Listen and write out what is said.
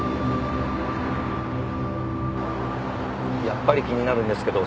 やっぱり気になるんですけど。